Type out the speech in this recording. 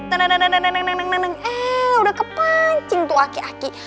eh udah kepancing tuh aki aki